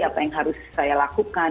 apa yang harus saya lakukan